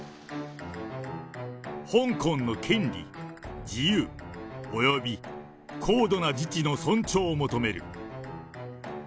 香港の権利、自由および高度な自治の尊重を求める。